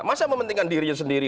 masa kepentingan dirinya sendiri